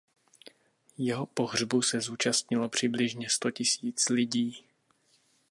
Jeho pohřbu se zúčastnilo přibližně sto tisíc lidí.